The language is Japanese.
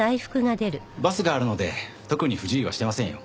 バスがあるので特に不自由はしてませんよ。